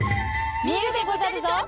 見るでござるゾ！